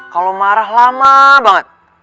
kalo marah lama banget